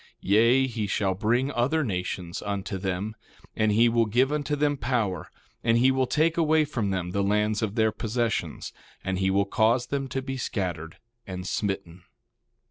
1:11 Yea, he will bring other nations unto them, and he will give unto them power, and he will take away from them the lands of their possessions, and he will cause them to be scattered and smitten.